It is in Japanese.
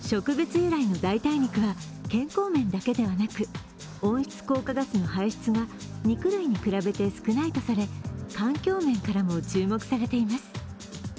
由来の代替肉は健康面だけではなく、温室効果ガスの排出が肉類に比べて少ないとされ、環境面からも注目されています。